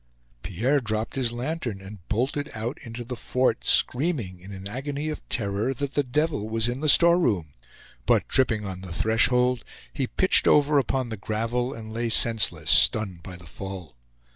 Pierre dropped his lantern, and bolted out into the fort, screaming, in an agony of terror, that the devil was in the storeroom; but tripping on the threshold, he pitched over upon the gravel, and lay senseless, stunned by the fall.